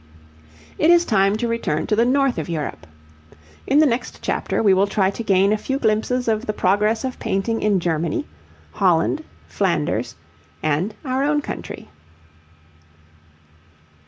It is time to return to the north of Europe. In the next chapter we will try to gain a few glimpses of the progress of painting in Germany, Holland, Flanders, and our own country.